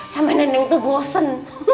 sama neneng tuh bosen